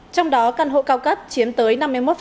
trong đó căn hộ cao cấp chiếm tới năm mươi một